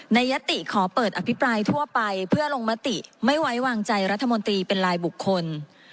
ยติขอเปิดอภิปรายทั่วไปเพื่อลงมติไม่ไว้วางใจรัฐมนตรีเป็นลายบุคคล